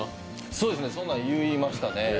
そうですね、そんなん言いましたね。